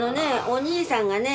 お兄さんがね